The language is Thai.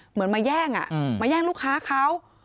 เหมือนมาแย่งมาแย่งลูกค้าเขา